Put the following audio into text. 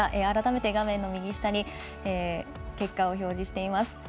改めて画面の右下に、結果を表示しています。